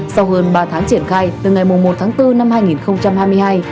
sau hơn ba tháng triển khai từ ngày một tháng bốn năm hai nghìn hai mươi hai